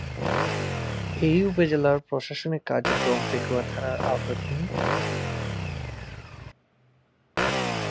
এ উপজেলার প্রশাসনিক কার্যক্রম পেকুয়া থানার আওতাধীন।